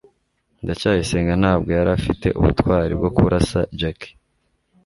ndacyayisenga ntabwo yari afite ubutwari bwo kurasa jaki